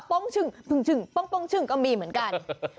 ป้องชึ่งป้องชึ่งก็มีเหมือนกัน